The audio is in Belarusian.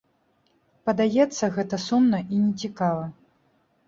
Падаецца, гэта сумна і не цікава.